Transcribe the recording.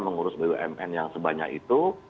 mengurus bumn yang sebanyak itu